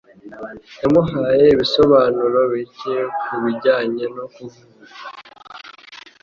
Yamuhaye ibisobanuro bike kubijyanye no kuvuga.